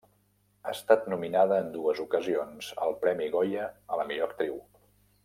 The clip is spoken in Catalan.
Ha estat nominada en dues ocasions al Premi Goya a la millor actriu.